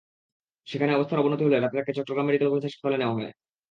সেখানে অবস্থার অবনতি হলে রাতে তাঁকে চট্টগ্রাম মেডিকেল কলেজ হাসপাতালে নেওয়া হয়।